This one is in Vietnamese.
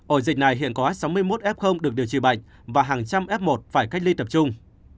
ổ dịch này hiện có sáu mươi một f được điều trị bệnh và hàng trăm f một phải cách ly tập trung